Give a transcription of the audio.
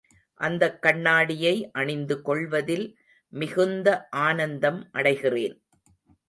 அந்தக் கண்ணாடியை அணிந்து கொள்வதில் மிகுந்த ஆனந்தம் அடைகிறேன்.